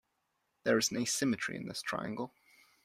There is an asymmetry in this triangle.